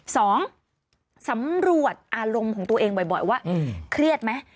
สองสำรวจอารมณ์ของตัวเองบ่อยว่าเครียดไหม